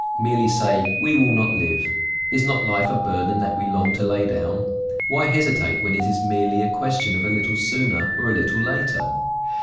Merely say: 'We will not live.' Is not life a burden that we long to lay down? Why hesitate when it is merely a question of a little sooner or a little later?